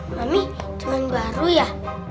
mami cermin baru ya